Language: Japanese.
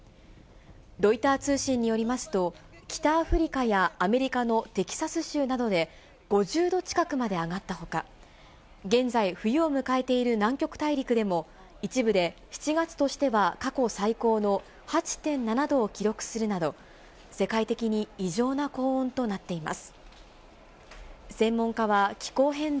ロイター通信によりますと、北アフリカやアメリカのテキサス州などで、５０度近くまで上がったほか、現在、冬を迎えている南極大陸でも一部で７月としては過去最高の８．７度を記録するなど、世界的に異常な高温となっています。